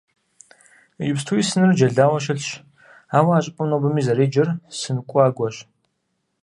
Иджыпстуи сыныр джэлауэ щылъщ, ауэ а щӀыпӀэм нобэми зэреджэр «Сын къуагуэщ».